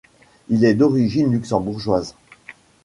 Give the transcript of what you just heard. Il est d'origine luxembourgeoise.